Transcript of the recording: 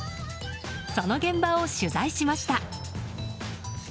その現場を取材しました。